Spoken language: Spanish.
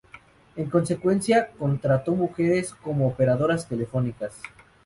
En consecuencia, contrató mujeres como operadoras telefónicas.